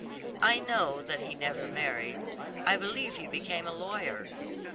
I know that he never married, I believe he became a lawyer.